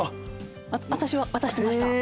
私は渡してました。